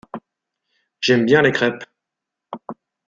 J’aime bien les crêpes.